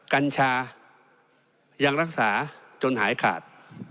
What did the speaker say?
กัญชายังรักษาจนหายขาด